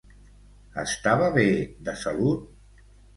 Estava bé de salut?